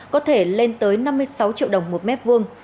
có thể lên tới năm mươi sáu triệu đồng một mét vuông